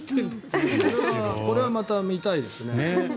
これはまた見たいですね。